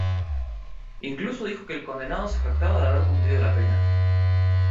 Incluso dijo que el condenado se jactaba de haber cumplido la pena.